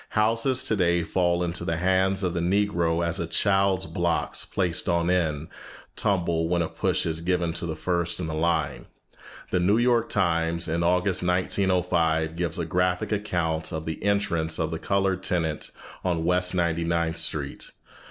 Houses today fall into the hands of the Negro as a child's blocks, placed on end, tumble when a push is given to the first in the line. The New York Times, in August, 1905, gives a graphic account of the entrance of the colored tenant on West Ninety ninth Street.